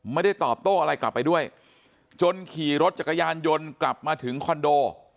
ไม่ได้ตอบโต้อะไรกลับไปด้วยจนขี่รถจักรยานยนต์กลับมาถึงคอนโด